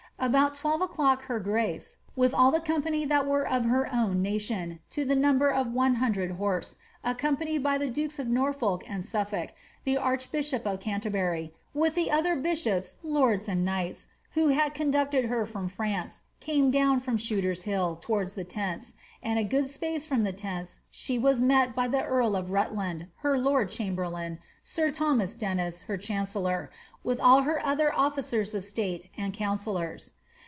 About twelve o'clock her grace, with all the company that were of her own nation, to the number of one hundred horse, accompanied by the dukes of Norfolk and Suffolk, the archbishop of Canterbury, with the other bishops, lords, and knights, who had conducted her from France, came down from Shooter's Ilill towards the tents, and a good space from the tents she was met by the earl of Rutland, her lord chamberlain, sir Thomas Dennis, her chancellor, with all her other officers of state and councillors.